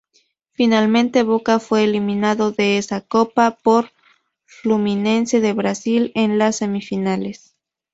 Finalmente, Boca fue eliminado de esa copa por Fluminense de Brasil, en las semifinales.